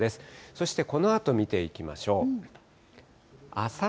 そしてこのあと見ていきましょう。